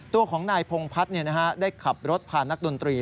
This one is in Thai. ตัวของนายพงพัฒน์ได้ขับรถผ่านนักดนตรี